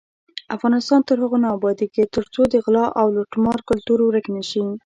افغانستان تر هغو نه ابادیږي، ترڅو د غلا او لوټمار کلتور ورک نشي.